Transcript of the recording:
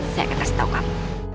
saya akan kasih tahu kamu